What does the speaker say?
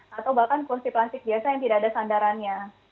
atau bahkan kursi plastik biasa yang tidak ada sandarannya